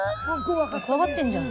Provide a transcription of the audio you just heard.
怖がってんじゃん。